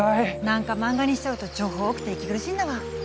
なんか漫画にしちゃうと情報多くて息苦しいんだわ。